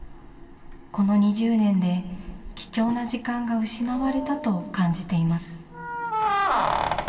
この２０年で貴重な時間が失われたと感じています。